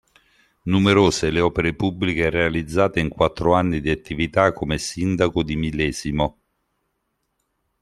Numerose le opere pubbliche realizzate in quattro anni di attività come Sindaco di Millesimo.